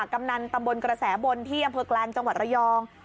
กำนันตำบลกระแสบนอย่างเผือกกลางจังหวัดระยอง